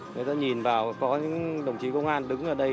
người ta nhìn vào có những đồng chí công an đứng ở đây